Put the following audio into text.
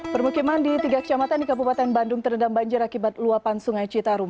permukiman di tiga kecamatan di kabupaten bandung terendam banjir akibat luapan sungai citarum